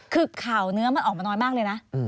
คือข่าวเนื้อมันออกมาน้อยมากเลยนะ